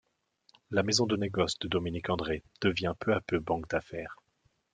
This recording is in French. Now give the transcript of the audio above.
La maison de négoce de Dominique André devient peu à peu banque d'affaires.